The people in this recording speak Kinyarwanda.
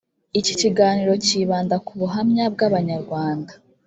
iki kiganiro cyibanda ku buhamya bw ‘abanyarwanda.